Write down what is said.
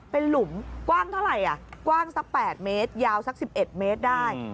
เป็นหลุมกว้างเท่าไหร่กว้างสัก๘เมตรยาวสัก๑๑เมตรได้